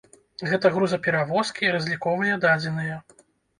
Гэта грузаперавозкі, разліковыя дадзеныя.